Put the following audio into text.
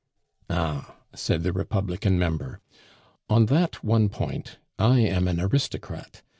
"Ah!" said the republican member, "on that one point I am an aristocrat.